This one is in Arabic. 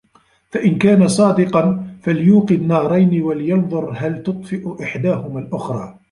فَإِنْ كَانَ صَادِقًا فَلْيُوقِدْ نَارَيْنِ وَلْيَنْظُرْ هَلْ تُطْفِئُ إحْدَاهُمَا الْأُخْرَى